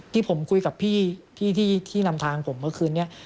ที่ผมคุยกับพี่ที่นำทางผมเมื่อคืนนี้